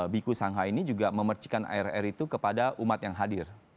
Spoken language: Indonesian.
biku shanghai ini juga memercikan arr itu kepada umat yang hadir